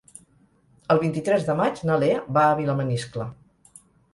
El vint-i-tres de maig na Lea va a Vilamaniscle.